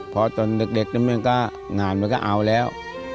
เพราะตอนเด็กมันก็งานมันก็เอาแล้ว